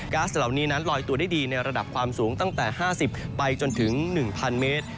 ๊าซเหล่านี้นั้นลอยตัวได้ดีในระดับความสูงตั้งแต่๕๐ไปจนถึง๑๐๐เมตร